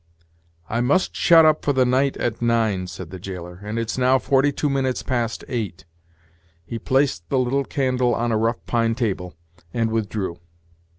"I must shut up for the night at nine," said the jailer, "and it's now forty two minutes past eight." He placed the little candle on a rough pine table, and withdrew.